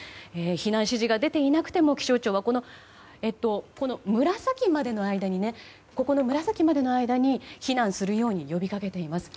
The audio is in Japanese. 避難指示が出ていなくても気象庁はこの紫までの間に避難するよう呼びかけています。